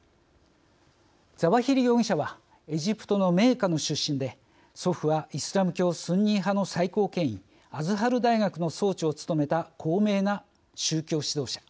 ザワヒリ容疑者はエジプトの名家の出身で祖父はイスラム教スンニ派の最高権威アズハル大学の総長を務めた高名な宗教指導者。